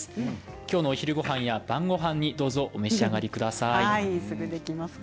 きょうのお昼ごはんや晩ごはんにぜひお召し上がりください。